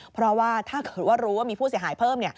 เพราะว่าถ้าเกิดว่ารู้ว่ามีผู้เสียหายเพิ่ม